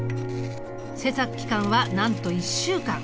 制作期間はなんと１週間。